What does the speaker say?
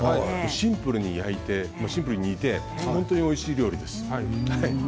シンプルに焼いてシンプルに煮て本当においしい料理です。